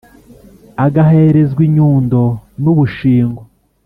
agaheerezw inyundo n ubushingo